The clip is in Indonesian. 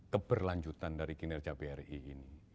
keberlanjutan dari kinerja bri ini